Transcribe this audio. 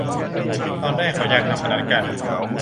ตอนแรกเขาอยากทำอันนั้นกัน